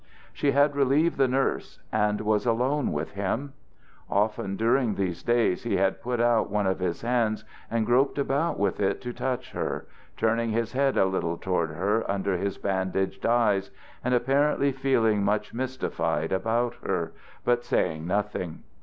She had relieved the nurse, and was alone with him. Often during these days he had put out one of his hands and groped about with it to touch her, turning his head a little toward her under his bandaged eyes, and apparently feeling much mystified about her, but saying nothing.